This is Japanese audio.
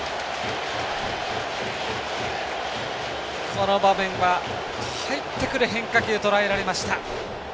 この場面は、入ってくる変化球をとらえられました。